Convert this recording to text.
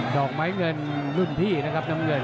ดอกไม้เงินรุ่นพี่นะครับน้ำเงิน